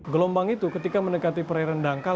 gelombang itu ketika mendekati perairan dangkal